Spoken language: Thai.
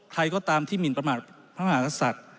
ใครก็ตามที่หมินประหมาศาสตร์